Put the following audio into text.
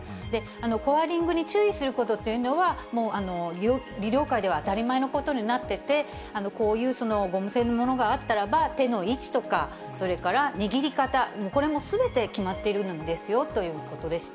コアリングに注意することというのは、もう医療界では当たり前のことになってて、こういうゴム栓のものがあったらば、手の位置とか、それから握り方、これもすべて決まっているんですよということでした。